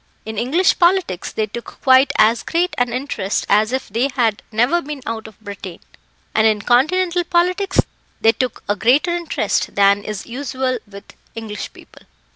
In English politics they took quite as great an interest as if they had never been out of Britain, and in Continental politics they took a greater interest than is usual with English people.